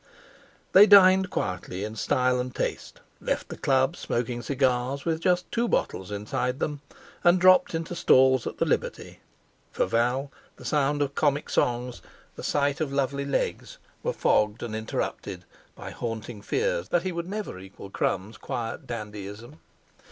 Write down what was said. They dined quietly, in style and taste; left the Club smoking cigars, with just two bottles inside them, and dropped into stalls at the Liberty. For Val the sound of comic songs, the sight of lovely legs were fogged and interrupted by haunting fears that he would never equal Crum's quiet dandyism.